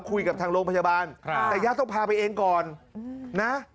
คุยกับทางโรงพยาบาลแต่ญาติต้องพาไปเองก่อนนะ